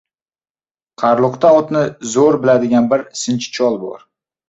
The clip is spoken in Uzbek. Qarluqda otni zo‘r biladigan bir sinchi chol bo‘ldi.